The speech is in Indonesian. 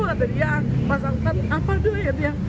lalu dia pas angkat apa doanya dia